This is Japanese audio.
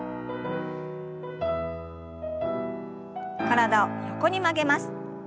体を横に曲げます。